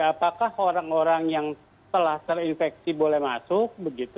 apakah orang orang yang telah terinfeksi boleh masuk